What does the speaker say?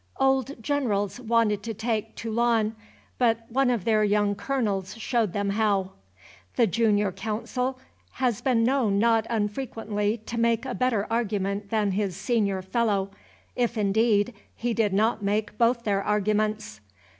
Old generals wanted to take Toulon, but one of their young colonels showed them how. The junior counsel has been known not unfrequently to make a better argument than his senior fellow, if, indeed, he did not make both their arguments.